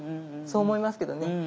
そう思いますけどね。